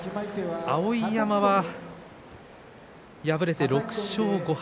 碧山は敗れて６勝５敗。